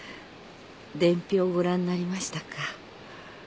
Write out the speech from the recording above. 伝票ご覧になりましたか？